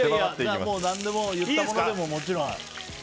もう何でも言ったものでも、もちろん。